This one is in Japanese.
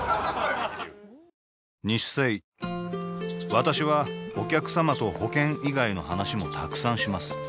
私はお客様と保険以外の話もたくさんします